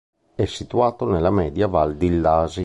È situato nella media Val d'Illasi.